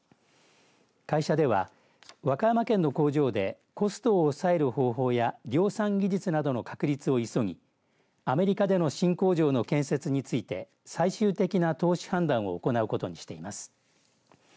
会社では、和歌山県の工場でコストを抑える方法や量産技術などの確立を急ぎアメリカでの新工場の建設について最終的な投資判断を行うことにしています。